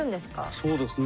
そうですね。